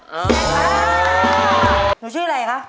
หนูชื่ออะไรคะ